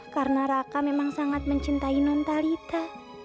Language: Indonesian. karena raka memang sangat mencintai nontalita